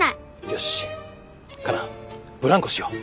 よしカナブランコしよう。